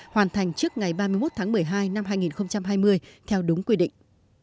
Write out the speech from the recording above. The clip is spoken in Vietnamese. hoàn thành trước ngày ba mươi một tháng một mươi hai năm hai nghìn hai mươi theo đúng quy định